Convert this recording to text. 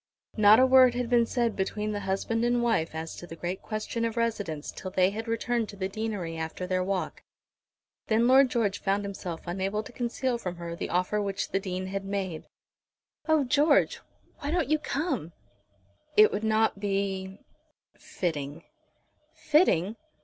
Not a word had been said between the husband and wife as to the great question of residence till they had returned to the deanery after their walk. Then Lord George found himself unable to conceal from her the offer which the Dean had made. "Oh, George, why don't you come?" "It would not be fitting." "Fitting!